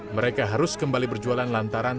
mereka harus kembali berjualan lantaran